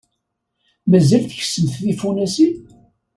Mazal tkessemt tifunasin?